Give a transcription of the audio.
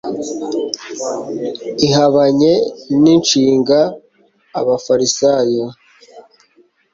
ihabanye ni nshinga abafarisayo